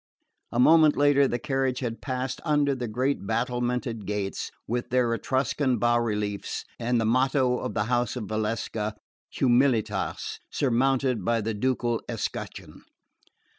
A moment later the carriage had passed under the great battlemented gates, with their Etruscan bas reliefs, and the motto of the house of Valsecca Humilitas surmounted by the ducal escutcheon.